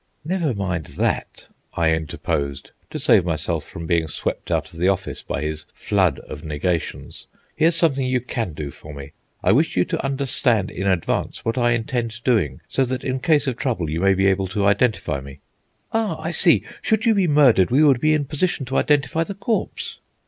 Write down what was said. "Never mind that," I interposed, to save myself from being swept out of the office by his flood of negations. "Here's something you can do for me. I wish you to understand in advance what I intend doing, so that in case of trouble you may be able to identify me." "Ah, I see! should you be murdered, we would be in position to identify the corpse."